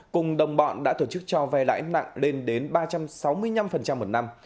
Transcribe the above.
cùng đồng bọn đã tổ chức cho vay lãi nặng lên đến ba trăm sáu mươi năm một năm